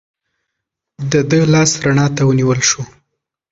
د ده لاس رڼا ته ونیول شو.